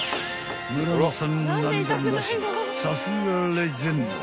［さすがレジェンド］